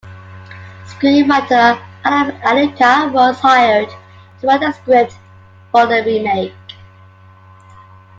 Screenwriter Adam Alleca was hired to write the script for the remake.